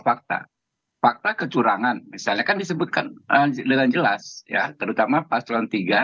fakta fakta kecurangan misalnya kan disebutkan dengan jelas ya terutama paslon tiga